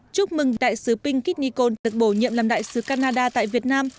chúc mừng đại sứ pinky nikon được bổ nhiệm làm đại sứ canada tại việt nam